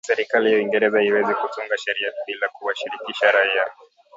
Serikali ya Uingereza haiwezi kutunga sheria bila kuwashirikisha raia